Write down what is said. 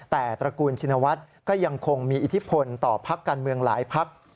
แต่ตระกูลชินวัฒน์ก็ยังคงมีอิทธิพลต่อพักการเมืองหลายพัก